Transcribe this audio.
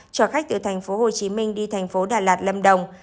cho khách từ tp hcm đi tp đà lạt lâm đồng